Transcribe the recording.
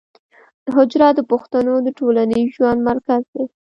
حجره د پښتنو د ټولنیز ژوند مرکز دی.